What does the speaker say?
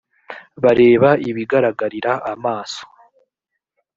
bareba ibigaragarira amaso